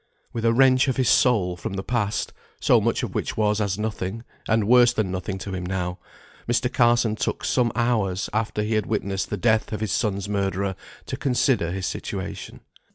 With a wrench of his soul from the past, so much of which was as nothing, and worse than nothing to him now, Mr. Carson took some hours, after he had witnessed the death of his son's murderer, to consider his situation.